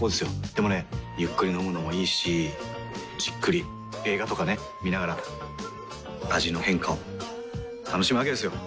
でもねゆっくり飲むのもいいしじっくり映画とかね観ながら味の変化を楽しむわけですよ。